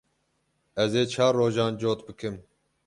Ez ê çar rojan cot bikim.